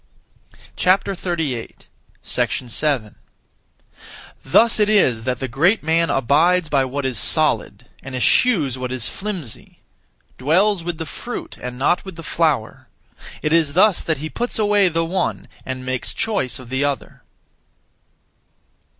7. Thus it is that the Great man abides by what is solid, and eschews what is flimsy; dwells with the fruit and not with the flower. It is thus that he puts away the one and makes choice of the other.